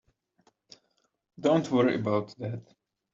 Don't worry about that.